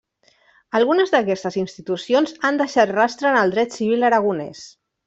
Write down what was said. Algunes d'aquestes institucions han deixat rastre en el dret civil aragonès.